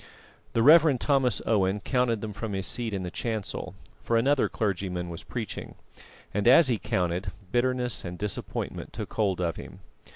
The Rev. Thomas Owen counted them from his seat in the chancel, for another clergyman was preaching; and, as he counted, bitterness and disappointment took hold of him.